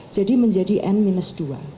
jadi menjadi n minus dua